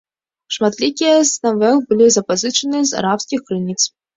Шматлікія з навел былі запазычаны з арабскіх крыніц.